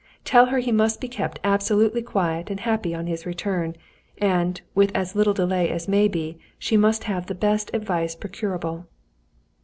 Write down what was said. Tell her he must be kept absolutely quiet and happy on his return; and, with as little delay as may be, she must have the best advice procurable."